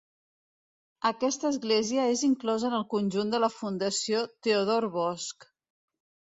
Aquesta església és inclosa en el conjunt de la Fundació Teodor Bosch.